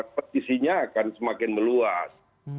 petisinya akan semakin meluas